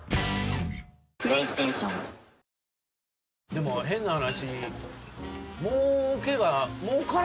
でも変な話。